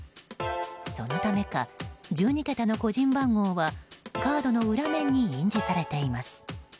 そのためか、１２桁の個人番号はカードの裏面に印字されています。